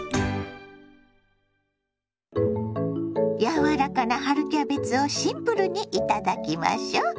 柔らかな春キャベツをシンプルにいただきましょ。